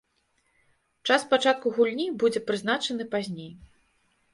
Час пачатку гульні будзе прызначаны пазней.